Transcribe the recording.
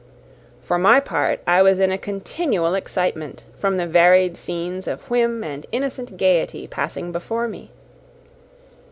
* For my part, I was in a continual excitement, from the varied scenes of whim and innocent gaiety passing before me.